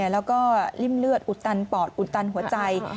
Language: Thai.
แล้วก็ริ่มเลือดอุดตันปอดอุดตันหัวใจ